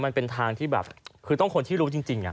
มันเป็นทางที่แบบคือต้องคนที่รู้จริง